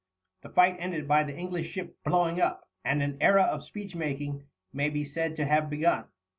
The fight ended by the English ship blowing up, and an era of speech making may be said to have now begun.